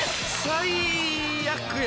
最悪や。